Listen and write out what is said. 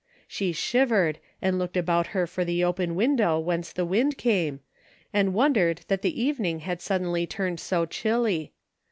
She shivered, and looked about her for the open window whence the wind came, and wondered that the evening had suddenly turned so chilly.